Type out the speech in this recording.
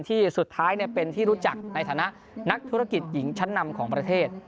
ที่สุดท้ายเป็นที่รู้จักในฐานะนักธุรกิจหญิงชั้นนำของประเทศ